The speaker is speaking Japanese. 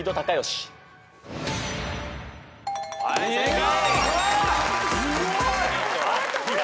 はい正解。